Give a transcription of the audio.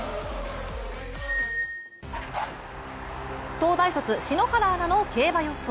東大卒・篠原アナの競馬予想。